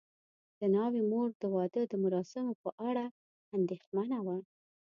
د ناوې مور د واده د مراسمو په اړه اندېښمنه وه.